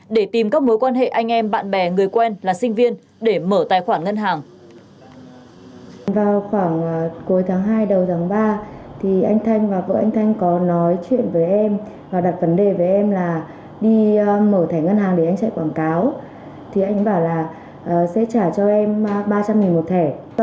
để tìm các mối quan hệ anh em bạn bè người quen là sinh viên để mở tài khoản ngân hàng